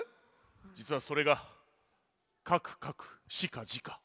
じつはそれがかくかくしかじか。